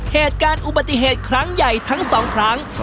เหตุการณ์อุบัติเหตุครั้งใหญ่ทั้งสองครั้ง